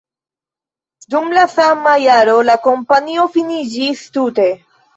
Dum la sama jaro la kompanio finiĝis tute.